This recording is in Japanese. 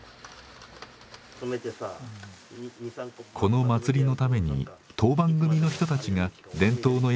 この祭りのために当番組の人たちが伝統の焼き畑で育てました。